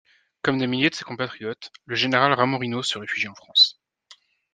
Comme des milliers de ses compatriotes, le général Ramorino se refugie en France.